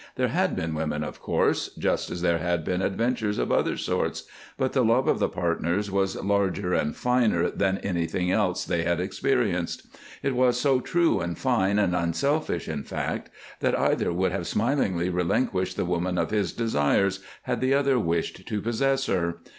There had been women, of course, just as there had been adventures of other sorts, but the love of the partners was larger and finer than anything else they had experienced. It was so true and fine and unselfish, in fact, that either would have smilingly relinquished the woman of his desires had the other wished to possess her.